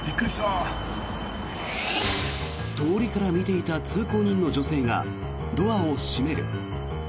通りから見ていた通行人の女性がドアを閉める。